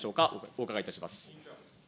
お伺いいたします。